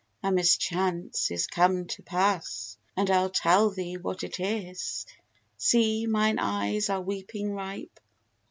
A mischance is come to pass, And I'll tell thee what it was: See, mine eyes are weeping ripe.